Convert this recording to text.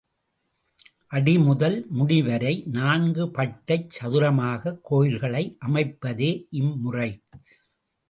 அடி முதல் முடிவரை நான்கு பட்டைச் சதுரமாக கோயில்களை அமைப்பதே இம்முறை.